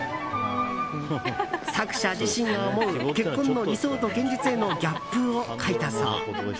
作者自身が思う結婚の理想と現実へのギャップを描いたそう。